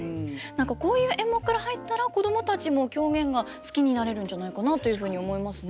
こういう演目から入ったら子供たちも狂言が好きになれるんじゃないかなというふうに思いますね。